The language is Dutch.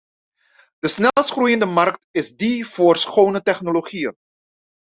De snelst groeiende markt is die voor schone technologieën.